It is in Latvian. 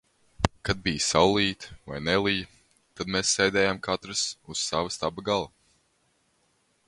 Kad bija saulīte vai nelija, tad mēs sēdējām katrs uz sava staba gala.